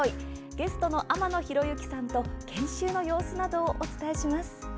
ゲストの天野ひろゆきさんと研修の様子などをお伝えします。